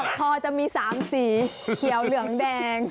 พอจะมี๓สีเขียวเหลืองแดง